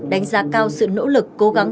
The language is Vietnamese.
đánh giá cao sự nỗ lực cố gắng